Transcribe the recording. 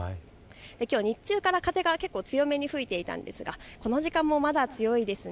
きょう日中から風が結構、強めに吹いていたんですがこの時間もまだ強いですね。